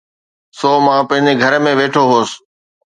سو مان پنهنجي گهر ۾ ويٺو هوس.